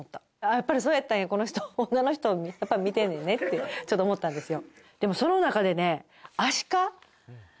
やっぱりそうやったんやこの人女の人をやっぱ見てんねんねってちょっと思ったんですよ